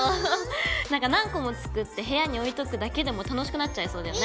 何か何個も作って部屋に置いとくだけでも楽しくなっちゃいそうだよね。